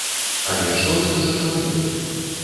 Але што гэта за чалавек?